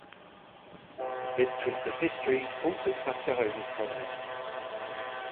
This twist of history altered Tuskahoma's prominence.